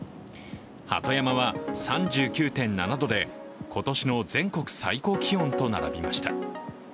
鳩山は３９．７度で今年の全国最高気温と並びました。